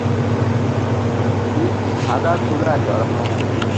বীজ সাদা তুলায় জড়ানো।